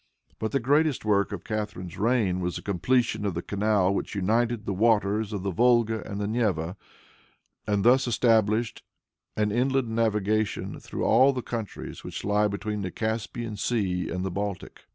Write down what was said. But the greatest work of Catharine's reign was the completion of the canal which united the waters of the Volga and the Neva, and thus established an inland navigation through all the countries which lie between the Caspian Sea and the Baltic.